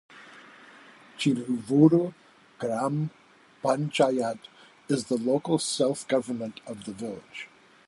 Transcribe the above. Chiluvuru gram panchayat is the local self-government of the village.